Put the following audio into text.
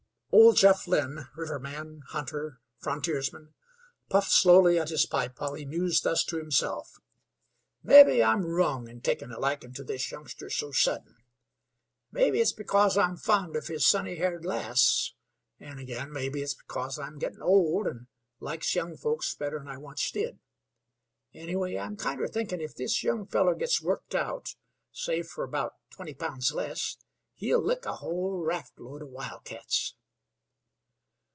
Old Jeff Lynn, riverman, hunter, frontiersman, puffed slowly at his pipe while he mused thus to himself: "Mebbe I'm wrong in takin' a likin' to this youngster so sudden. Mebbe it's because I'm fond of his sunny haired lass, an' ag'in mebbe it's because I'm gettin' old an' likes young folks better'n I onct did. Anyway, I'm kinder thinkin, if this young feller gits worked out, say fer about twenty pounds less, he'll lick a whole raft load of wild cats."